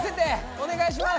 おねがいします！